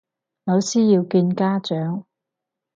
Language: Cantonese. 老師要見家長